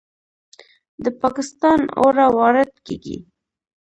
د پاکستان اوړه وارد کیږي.